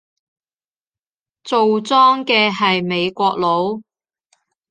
做莊嘅係美國佬